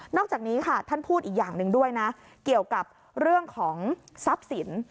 อกจากนี้ค่ะท่านพูดอีกอย่างหนึ่งด้วยนะเกี่ยวกับเรื่องของทรัพย์สิน